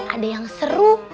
ada yang seru